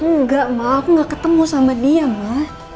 enggak mbak aku gak ketemu sama dia ma